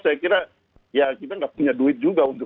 saya kira ya kita nggak punya duit juga untuk